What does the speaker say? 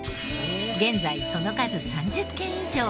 現在その数３０軒以上！